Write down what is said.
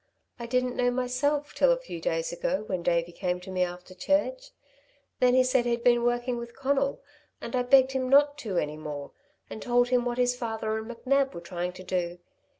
I didn't know myself till a few days ago, when Davey came to me after church. Then he said he'd been working with Conal, and I begged him not to any more, and told him what his father and McNab were trying to do.